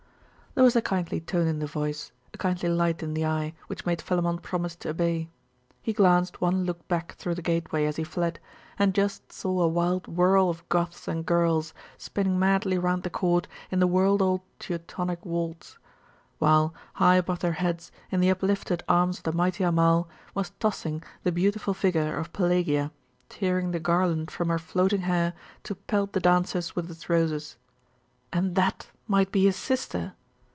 There was a kindly tone in the voice, a kindly light in the eye, which made Philammon promise to obey. He glanced one look back through the gateway as he fled, and just saw a wild whirl of Goths and girls, spinning madly round the court in the world old Teutonic waltz; while, high above their heads, in the uplifted arms of the mighty Amal, was tossing the beautiful figure of Pelagia, tearing the garland from her floating hair to pelt the dancers with its roses. And that might be his sister!